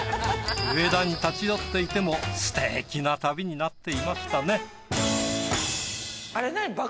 上田に立ち寄っていても素敵な旅になっていましたね。